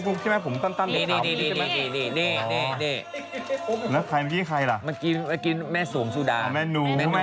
แล้วเราก็ไม่รู้ว่าเมื่อกี้ม่ะแม่สวงซูดาน